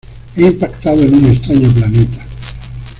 He impactado en un extraño planeta.